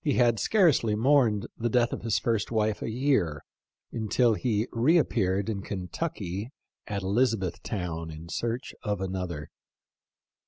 29 had scarcely mourned the death of his first wife a year until he reappeared in Kentucky at Elizabeth town in search of another.